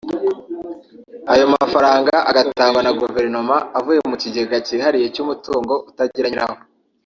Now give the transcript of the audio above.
ayo mafaranga agatangwa na Guverinoma avuye mu kigega cyihariye cy’umutungo utagira nyirawo